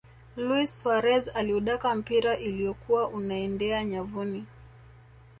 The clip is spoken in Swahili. luis suarez aliudaka mpira uliyokuwa unaeenda nyavuni